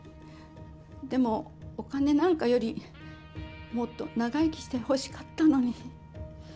でもお金なんかよりもっと長生きしてほしかったのに。